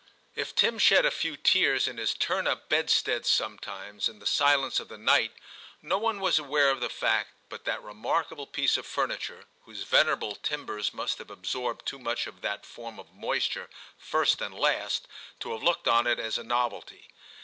If Tim shed a few tears in his turn up bed stead sometimes, in the silence of the night, no one was aware of the fact but that remark able piece of furniture, whose venerable timbers must have absorbed too much of that lOO TIM CHAP. form of moisture, first and last, to have looked on it as a novelty.